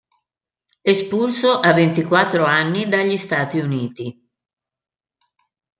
Espulso a ventiquattro anni dagli Stati Uniti.